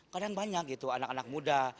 kadang banyak gitu anak anak muda